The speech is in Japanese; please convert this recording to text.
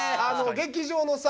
劇場のさ